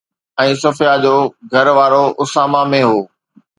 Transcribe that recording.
۽ صفيه جو گهروارو اسامه ۾ هو